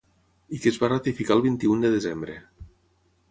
I que es va ratificar el vint-i-un de desembre.